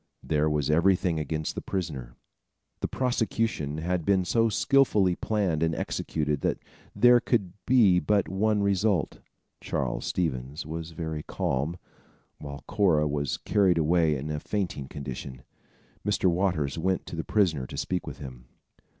There was everything against the prisoner. The prosecution had been so skillfully planned and executed, that there could be but one result. Charles Stevens was very calm, while Cora was carried away in a fainting condition. Mr. Waters went to the prisoner to speak with him.